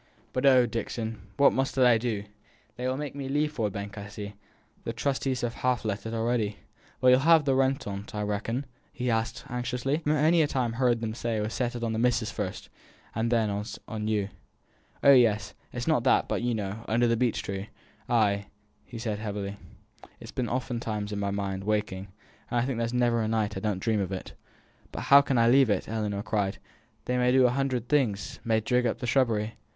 But oh, Dixon, what must I do? They will make me leave Ford Bank, I see. I think the trustees have half let it already." "But you'll have the rent on't, I reckon?" asked he, anxiously. "I've many a time heerd 'em say as it was settled on the missus first, and then on you." "Oh, yes, it is not that; but you know, under the beech tree " "Ay!" said he, heavily. "It's been oftentimes on my mind, waking, and I think there's ne'er a night as I don't dream of it." "But how can I leave it!" Ellinor cried. "They may do a hundred things may dig up the shrubbery.